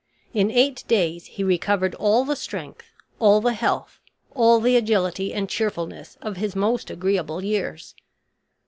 In eight days he recovered all the strength, all the health, all the agility and cheerfulness of his most agreeable years.